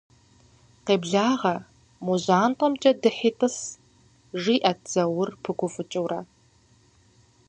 Къеблагъэ, мо жьантӏэмкӏэ дыхьи тӏыс, - жиӏэт Заур пыгуфӏыкӏыурэ.